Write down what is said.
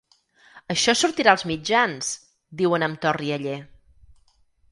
Això sortirà als mitjans!, diuen amb to rialler.